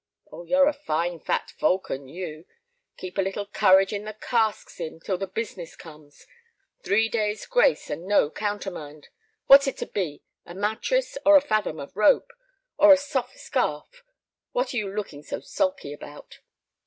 "Oh, you're a fine fat falcon—you! Keep a little courage in the cask, Sim, till the business comes. Three days' grace and no countermand. What's it to be—a mattress, or a fathom of rope, or a soft scarf? What are you looking so sulky about?"